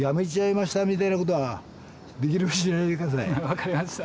分かりました。